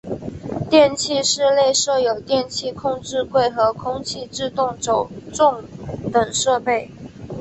电气室内设有电气控制柜和空气制动轴重等设备。